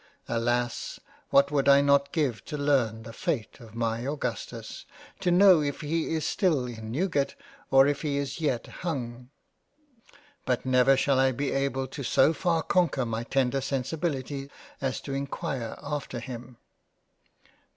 Alas, what would I not give to learn the fate of my Augustus ! to know if he is still in Newgate, or if he is yet hung. But never shall I be able so far to conquer my tender sensibility as to enquire after him.